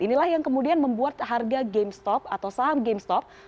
inilah yang kemudian membuat harga gamestop atau saham gamestop melonjak